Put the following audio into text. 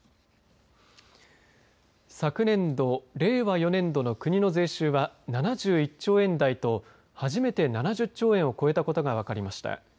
昨年度、令和４年度の国の税収は７１兆円台と初めて７０兆円を超えたことが分かりました。